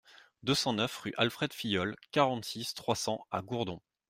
deux cent neuf rue Alfred Filliol, quarante-six, trois cents à Gourdon